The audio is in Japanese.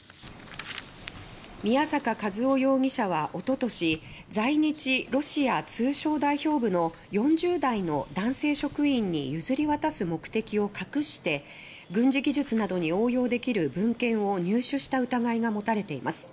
宮坂和雄容疑者はおととし在日ロシア通商代表部の４０代の男性職員に譲り渡す目的を隠して軍事技術などに応用できる文献を入手した疑いが持たれています。